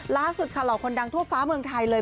ล่าสุดค่ะเหล่าคนดังทั่วฟ้าเมืองไทยเลย